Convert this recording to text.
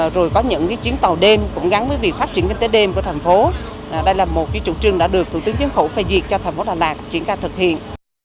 rồi có những cái chiến tàu đêm cũng gắn với việc phát triển kinh tế đêm của thành phố đây là một cái trụ trương đã được thủ tướng chính phủ phê diệt cho thành phố đà lạt chính cao thực hiện